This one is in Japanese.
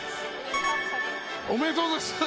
おめでとうございます。